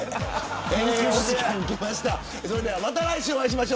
お時間がきました。